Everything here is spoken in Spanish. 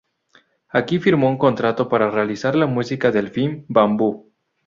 Aquí firmó un contrato para realizar la música del film "Bambú".